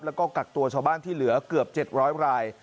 แล้วก็กักตัวชาวบ้านที่เหลือเกือบ๗๐๐ราย